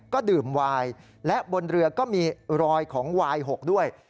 ก็ดื่มวายและบนเรือก็มีรอยของวายหกด้วย